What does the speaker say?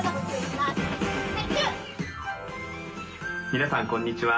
皆さんこんにちは。